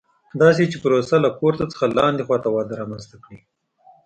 داسې چې پروسه له پورته څخه لاندې خوا ته وده رامنځته کړي.